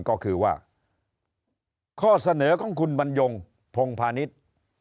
ก็คือว่าข้อเสนอของคุณบรรยงพงพาณิชย์